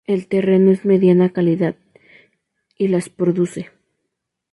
El terreno es mediana calidad, y las prod.